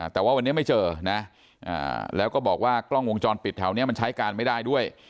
แต่ว่าวันนี้ไม่เจอนะแล้วก็บอกว่ากล้องวงจรปิดแถวนี้มันใช้การไม่ได้ด้วย